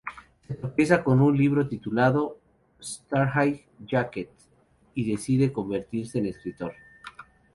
Se tropieza con un libro titulado "Straight Jacket" y decide convertirse en escritor.